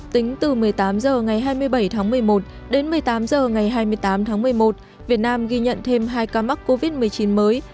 tính từ một mươi tám h ngày hai mươi bảy tháng một mươi một đến một mươi tám h ngày hai mươi tám tháng một mươi một việt nam ghi nhận thêm hai ca mắc covid một mươi chín mới